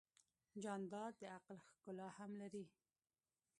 جانداد د عقل ښکلا هم لري.